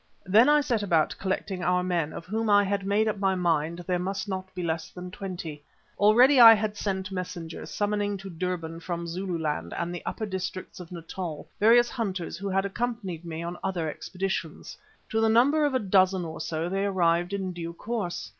Then I set about collecting our men, of whom I had made up my mind there must not be less than twenty. Already I had sent messengers summoning to Durban from Zululand and the upper districts of Natal various hunters who had accompanied me on other expeditions. To the number of a dozen or so they arrived in due course.